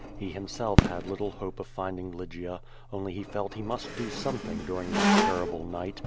He himself had little hope of finding Lygia, only he felt he must do something during that terrible night.